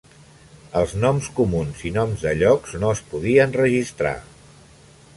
Els noms comuns i noms de llocs no es podien registrar.